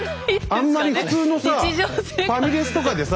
あんまり普通のさファミレスとかでさ